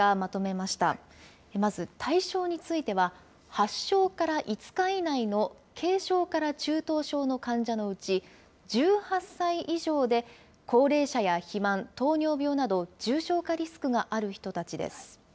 まず対象については、発症から５日以内の軽症から中等症の患者のうち、１８歳以上で高齢者や肥満、糖尿病など、重症化リスクがある人たちです。